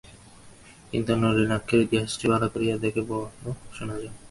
কিন্তু নলিনাক্ষের ইতিহাসটা কী ভালো করিয়া বলো দেখি, শোনা যাক।